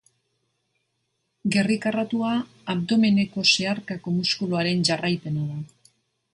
Gerri karratua abdomeneko zeharkako muskuluaren jarraipena da.